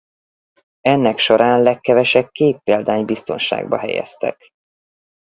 Ennek során legkevesebb két példányt biztonságba helyeztek.